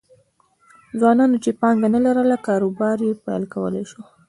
ځوانانو چې پانګه نه لرله کاروبار یې پیل کولای شو